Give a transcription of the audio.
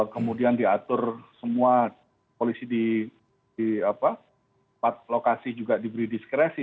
kemudian diatur semua polisi di empat lokasi juga diberi diskresi